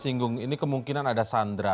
singgung ini kemungkinan ada sandra